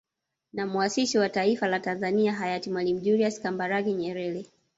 Na muasisi wa taifa la Tanzania Hayati Mwalimu Julius Kambarage Nyerere